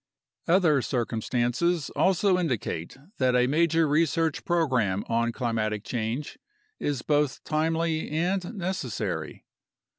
Other circumstances also indicate that a major research program on climatic change is both timely and necessary.